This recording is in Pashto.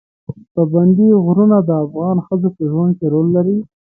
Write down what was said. پابندی غرونه د افغان ښځو په ژوند کې رول لري.